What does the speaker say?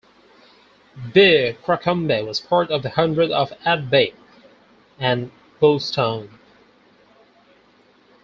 Beer Crocombe was part of the hundred of Abdick and Bulstone.